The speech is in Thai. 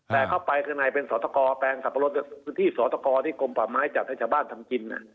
แต่เข้าไปข้างในเป็นสอตกแปลงสับปะรดพื้นที่สอตกที่กลมป่าไม้จัดให้ชาวบ้านทำกิน